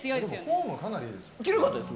フォームかなりいいです。